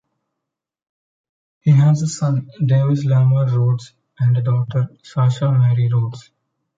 He has a son, Davis Lamar Rhodes, and a daughter, Sasha Marie Rhodes.